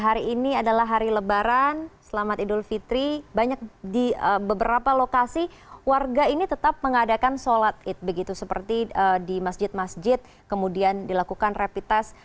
hari ini adalah hari lebaran selamat idul fitri di beberapa lokasi warga ini tetap mengadakan sholat id begitu seperti di masjid masjid kemudian dilakukan rapid test